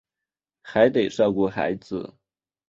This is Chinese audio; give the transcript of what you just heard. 还得照顾孩子